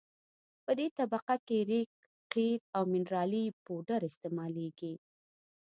په دې طبقه کې ریګ قیر او منرالي پوډر استعمالیږي